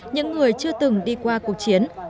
những người chưa từng đi qua cuộc chiến